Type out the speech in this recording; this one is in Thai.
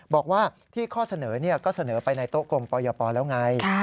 บอกว่าที่ข้อเสนอก็เสนอไปในโต๊ะกรมปยปแล้วไง